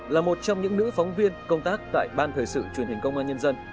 là một trong những nữ phóng viên công tác tại ban thời sự truyền hình công an nhân dân